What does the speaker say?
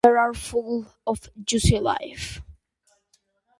They are full of juicy life.